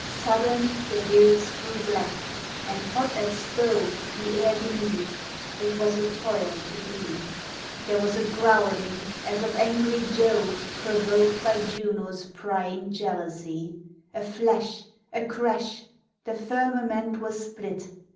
Sudden the hills grew black, and hot as stove The air beneath ; it was a toil to be. There was a growling as of angry Jove, Provoked by Juno's prying jealousy — A flash — a crash — the firmament was split.